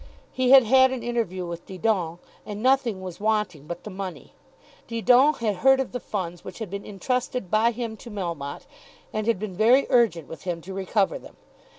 He had had an interview with Didon, and nothing was wanting but the money. Didon had heard of the funds which had been intrusted by him to Melmotte, and had been very urgent with him to recover them.